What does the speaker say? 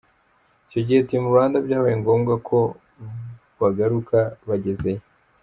Icyo gihe Team Rwanda byabaye ngombwa ko bagaruka bagezeyo.